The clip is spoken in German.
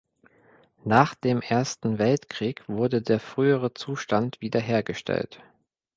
Nach dem Ersten Weltkrieg wurde der frühere Zustand wieder hergestellt.